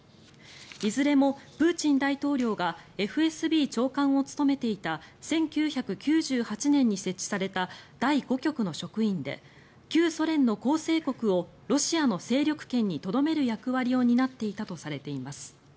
いずれも、プーチン大統領がＦＳＢ長官を務めていた１９９８年に設置された第５局の職員で旧ソ連の構成国をロシアの勢力圏にとどめる役割を担っていたとされています。